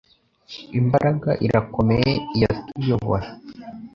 I mbaraga irakomeye iyatuyobora